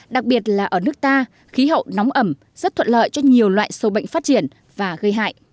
đặc biệt là ở nước ta khí hậu nóng ẩm rất thuận lợi cho nhiều loại sâu bệnh phát triển và gây hại